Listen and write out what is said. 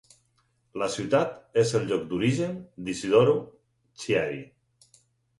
La ciutat és el lloc d'origen d'Isidoro Chiari.